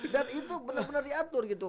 dan itu benar benar diatur gitu